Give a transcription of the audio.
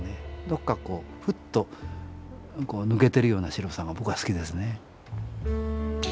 どこかこうふっと抜けてるような白さが僕は好きですね。